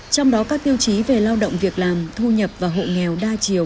trong đó các tiêu chí về lao động việc làm thu nhập và hộ nghèo đa chiều